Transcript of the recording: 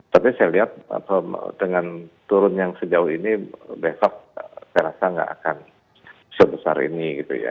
tapi saya lihat dengan turun yang sejauh ini besok saya rasa nggak akan sebesar ini gitu ya